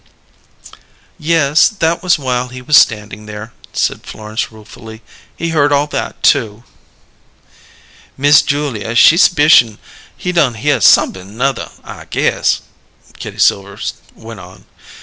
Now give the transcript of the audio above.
"Yes, that was while he was standing there," said Florence ruefully. "He heard all that, too." "Miss Julia, she s'picion' he done hear somep'm 'nother, I guess," Kitty Silver went on.